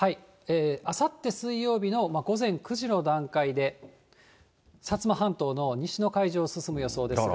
あさって水曜日の午前９時の段階で、薩摩半島の西の海上を進む予想ですが。